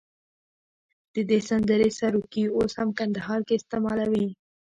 د دې سندرې سروکي اوس هم کندهار کې استعمالوي.